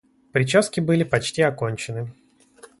прически были почти окончены.